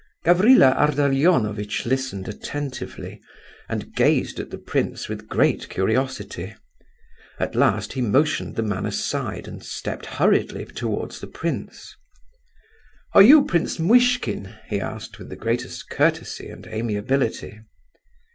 Gavrila Ardalionovitch listened attentively, and gazed at the prince with great curiosity. At last he motioned the man aside and stepped hurriedly towards the prince. "Are you Prince Muishkin?" he asked, with the greatest courtesy and amiability.